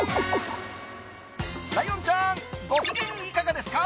ライオンちゃんご機嫌いかがですか？